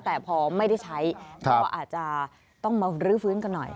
แต่พอไม่ได้ใช้ก็อาจจะต้องมารื้อฟื้นกันหน่อย